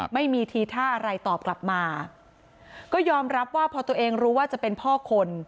ไม่มีทีท่าอะไรตอบกลับมาก็ยอมรับว่าพอตัวเองรู้ว่าจะเป็นพ่อคน